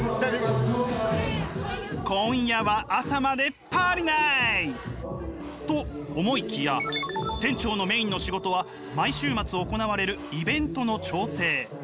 今夜は朝までパーリナイ！と思いきや店長のメインの仕事は毎週末行われるイベントの調整。